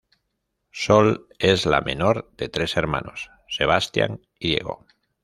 Sol es la menor de tres hermanos, Sebastián y Diego.